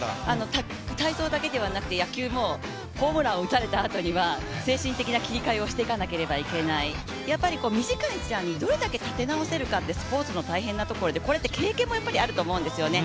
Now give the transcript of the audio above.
体操だけではなくて、野球もホームランを打たれたあとには精神的な切り替えをしていかなければいけない、やっぱり短い時間にどれだけ立て直せるかってこれって経験もあると思うんですよね。